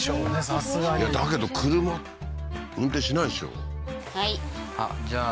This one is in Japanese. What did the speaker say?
さすがにいやだけど車運転しないでしょ